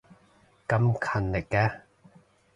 咁勤力嘅